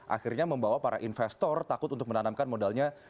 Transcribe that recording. akhirnya membawa para investor takut untuk menanamkan modalnya